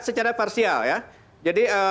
secara parsial ya jadi